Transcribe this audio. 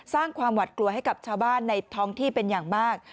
สร้างความหวัดกลัวให้กับชาวบ้านในท้องที่เป็นอย่างมาก